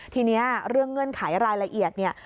ทีนี้เรื่องเงื่อนไขรายละเอียดเนี่ย